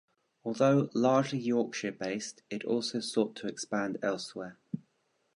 Although largely Yorkshire-based it also sought to expand elsewhere.